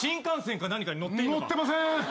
乗ってませーん。